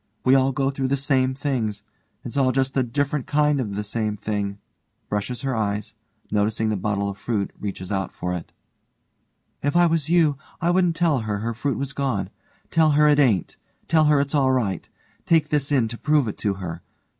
We all go through the same things it's all just a different kind of the same thing, (brushes her eyes, noticing the bottle of fruit, reaches out for it) If I was you, I wouldn't tell her her fruit was gone. Tell her it ain't. Tell her it's all right. Take this in to prove it to her.